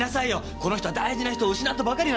この人は大事な人を失ったばかりなのに。